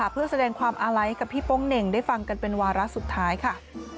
เพื่อแสดงความอาลัยกับพี่โป๊งเหน่งได้ฟังกันเป็นวาระสุดท้ายค่ะ